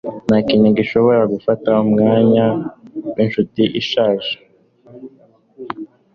Ntakintu gishobora gufata umwanya winshuti ishaje.